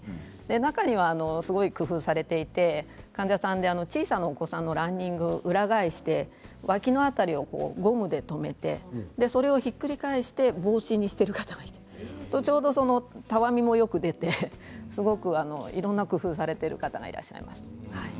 中には、すごい工夫されていて患者さんで小さなお子さんのランニングを裏返して脇の辺りをゴムで留めてそれをひっくり返して帽子にしている方がいてちょうど、たわみもよくていろいろ工夫されている方がいらっしゃいます。